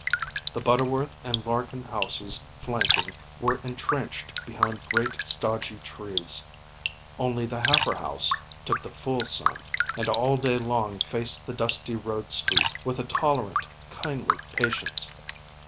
The Butterworth and Larkin houses flanking were entrenched behind great stodgy trees; only the Happer house took the full sun, and all day long faced the dusty road street with a tolerant kindly patience.